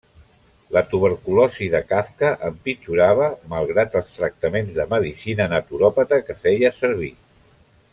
La tuberculosi de Kafka empitjorava malgrat els tractaments de medicina naturòpata que feia servir.